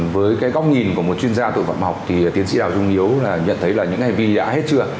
với cái góc nhìn của một chuyên gia tội phạm học thì tiến sĩ đào trung hiếu là nhận thấy là những hành vi đã hết chưa